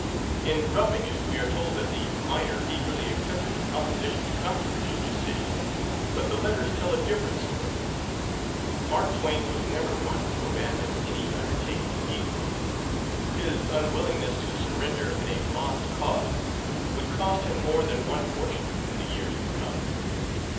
In Roughing It we are told that the miner eagerly accepted the proposition to come to Virginia City, but the letters tell a different story. Mark Twain was never one to abandon any undertaking easily. His unwillingness to surrender in a lost cause would cost him more than one fortune in the years to come.